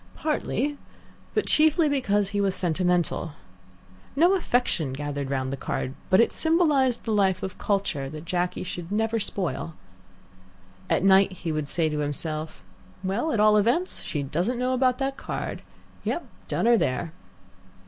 Partly, but chiefly because he was sentimental. No affection gathered round the card, but it symbolized the life of culture, that Jacky should never spoil. At night he would say to himself, "Well, at all events, she doesn't know about that card. Yah! done her there!"